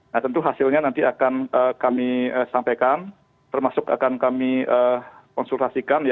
nah tentu hasilnya nanti akan kami sampaikan termasuk akan kami konsultasikan